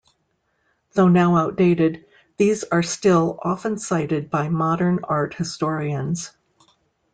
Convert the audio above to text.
Though now outdated, these are still often cited by modern art historians.